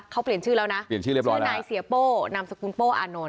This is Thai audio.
เขาเปลี่ยนชื่อแล้วนะเปลี่ยนชื่อเรียบร้อยชื่อนายเสียโป้นามสกุลโป้อานนท